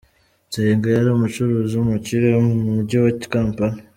Nsenga yari umucuruzi w’umukire mu Mujyi wa Kampala.